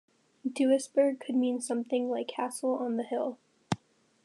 Duisburg could mean something like "castle on the hill".